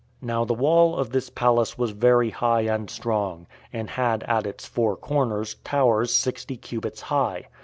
Now the wall of this palace was very high and strong, and had at its four corners towers sixty cubits high.